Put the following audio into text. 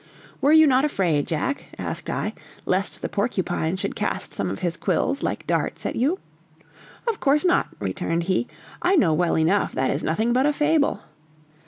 "Were you not afraid, Jack," asked I, "lest the porcupine should cast some of his quills like darts at you?" "Of course not," returned he, "I know well enough that is nothing but a fable!"